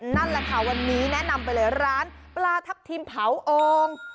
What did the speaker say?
นั่นแหละค่ะวันนี้แนะนำไปเลยร้านปลาทับทิมเผาโอ่ง